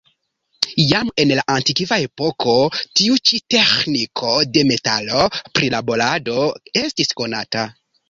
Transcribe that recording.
Jam en la antikva epoko tiu ĉi teĥniko de metalo-prilaborado estis konata.